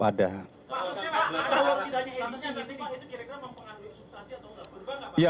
seharusnya pak kalau tidak dieditin itu kira kira mempengaruhi substansi atau tidak